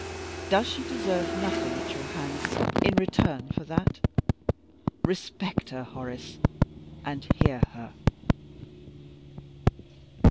Does she deserve nothing at your hands in return for that? Respect her, Horace and hear her."